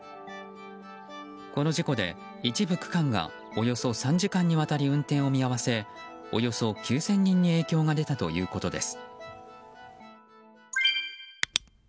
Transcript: この事故で一部区間がおよそ３時間にわたり運転を見合わせおよそ９０００人に影響が出たということです。